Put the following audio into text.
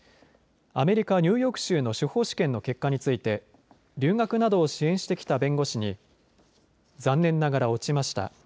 アメリカ・ニューヨーク州の司法試験の結果について留学などを支援してきた弁護士に残念ながら落ちました。